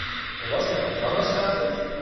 Om wat voor programma's gaat het?